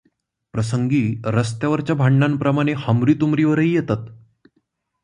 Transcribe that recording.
प्रसंगी रस्त्यावरच्या भांडणांप्रमाणे हमरी तुमरीवरही येतात.